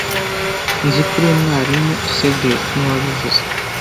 Nzi ko uri umwarimu cedric niwe wabivuze